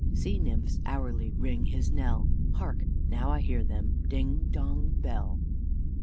Sea nymphs hourly ring his knell: Hark! now I hear them Ding dong, bell."